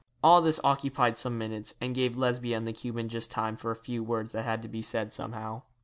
All this occupied some minutes, and gave Lesbia and the Cuban just time for a few words that had to be said somehow.